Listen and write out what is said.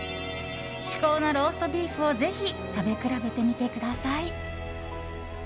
至高のローストビーフをぜひ食べ比べてみてください。